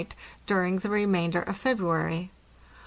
during the remainder of February.